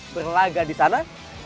berlaga di sana